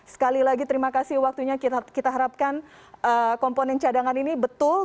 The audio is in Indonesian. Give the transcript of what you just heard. sekali lagi terima kasih waktunya kita harapkan komponen cadangan ini betul